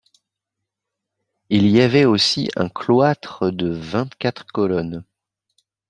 Il y avait aussi un cloitre de vingt quatre colonnes.